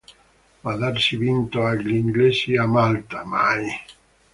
Ma darsi vinto agli inglesi a Malta, mai.